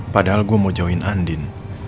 padahal gue mau join andin